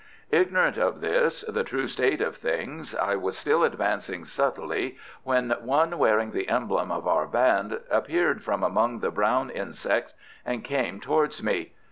Ignorant of this, the true state of things, I was still advancing subtly when one wearing the emblems of our band appeared from among the brown insects and came towards me.